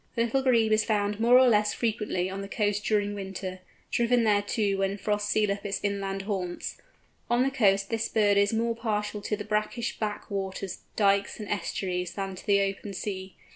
The Little Grebe is found more or less frequently on the coast during winter, driven thereto when frosts seal up its inland haunts. On the coast this bird is more partial to the brackish back waters, dykes, and estuaries, than to the open sea.